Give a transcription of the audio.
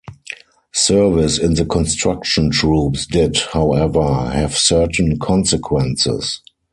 Service in the construction troops did, however, have certain consequences.